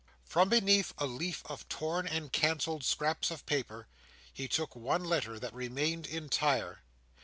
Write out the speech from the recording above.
From beneath a leaf of torn and cancelled scraps of paper, he took one letter that remained entire.